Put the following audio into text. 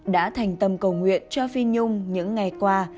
đã thành tâm cầu nguyện cho phi nhung những ngày qua